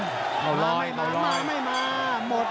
เอาร้อยเอาร้อยมาไม่มามาไม่มาหมดยก